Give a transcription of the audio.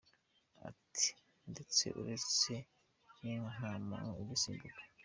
Ati “Ndetse uretse n’inka nta n’umuntu ugisimbuka”.